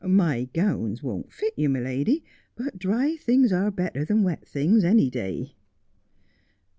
My gowns won't fit you, my lady, but dry things are better than wet things any ay.'